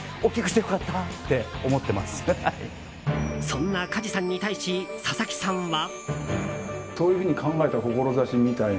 そんな加治さんに対し佐々木さんは。